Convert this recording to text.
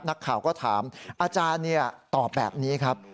นักข่าวก็ถามอาจารย์ตอบแบบนี้ครับ